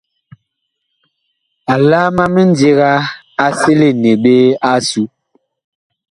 Alaam a mindiga a selene ɓe asu.